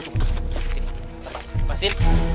tunggu sini lepasin